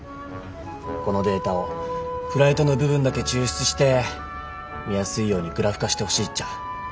このデータをフライトの部分だけ抽出して見やすいようにグラフ化してほしいっちゃ。